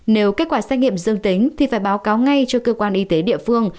nếu kết quả xét nghiệm dương tính thì phải báo cáo ngay cho cơ quan y tế địa phương